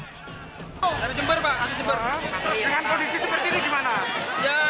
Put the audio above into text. harus jember pak harus jember